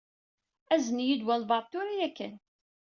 Azen-iyi-d walebɛaḍ tura yakan.